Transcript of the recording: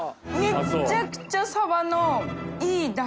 めっちゃくちゃサバのいぅ瀬